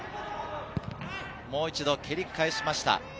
もう一度、蹴り返しました。